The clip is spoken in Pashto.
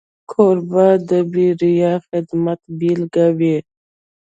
کوربه د بېریا خدمت بيلګه وي.